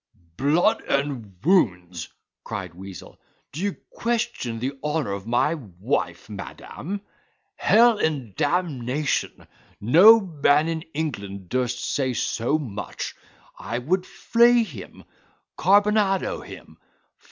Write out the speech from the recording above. "Blood and wounds!" cried Weazel, "d'ye question the honour of my wife, madam? Hell and d ion! No man in England durst say so much—I would flay him, carbonado him!